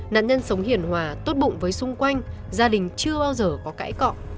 nạn nhân sống hiền hòa tốt bụng với xung quanh gia đình chưa bao giờ có cãi cọ